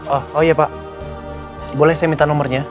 oh oh iya pak boleh saya minta nomornya